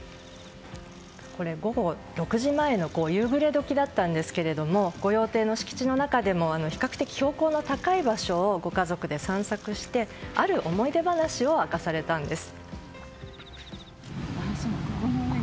午後６時前の夕暮れ時だったんですが御用邸の敷地の中でも比較的標高の高い場所をご家族で散策してある思い出話を明かされたんです。